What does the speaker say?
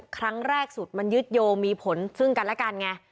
ครั้งแรกสุดมันยึดโยงมีผลซึ่งกันและกันไง